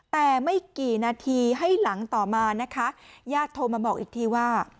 แต่ไม่กี่นาทีให้หลังต่อมานะคะญาติโทรมาบอกอีกทีว่า